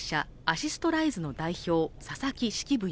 アシストライズの代表佐々木式部